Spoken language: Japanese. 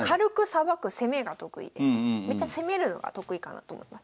めっちゃ攻めるのが得意かなと思います。